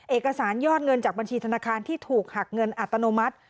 เอกสารยอดเงินจากบัญชีธนาคารที่ถูกหักเงินอัตโนมัติ